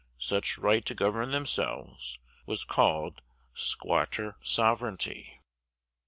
Such right to govern themselves was called 'squatter sovereignty.'"